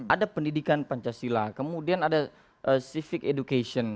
ada pendidikan pancasila kemudian ada civic education